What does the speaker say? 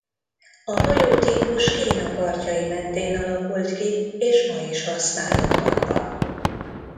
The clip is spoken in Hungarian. A hajótípus Kína partjai mentén alakult ki és ma is használatban van.